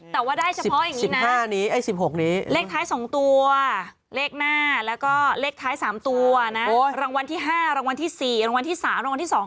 แต่ว่าได้เฉพาะอย่างนี้นะไอ้๑๖นี้เลขท้าย๒ตัวเลขหน้าแล้วก็เลขท้าย๓ตัวนะรางวัลที่๕รางวัลที่๔รางวัลที่๓รางวัลที่๒